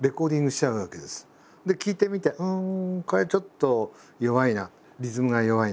聴いてみてこれちょっと弱いなリズムが弱いな。